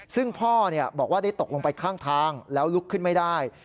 ซึ่งพ่อบอกว่าได้ตกลงไปข้างทางแล้วลุกขึ้นไม่ได้